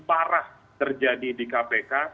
parah terjadi di kpk